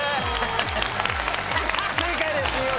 正解です